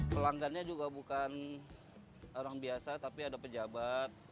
pelanggannya juga bukan orang biasa tapi ada pejabat